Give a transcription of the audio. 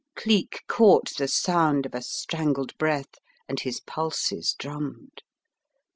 Cleek caught the sound of a strangled breath and his pulses drummed.